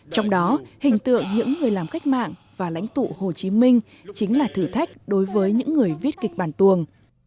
trong đó hình tượng những người làm cách mạng và lãnh tụ hồ chí minh chính là thử thách đối với những người viết kịch bản tuồng